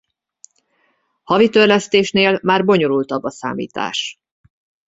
Havi törlesztésnél már bonyolultabb a számítás.